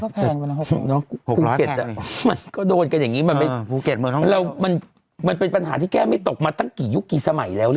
น้องฟูเก็ตก็โดนกันอย่างงี้มันเป็นปัญหาที่แก้ไม่ตกมาตั้งกี่ยุคกี่สมัยแล้ว